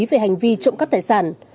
về hành vi trộm cắt tài sản